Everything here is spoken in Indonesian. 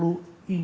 dua tahun kemudian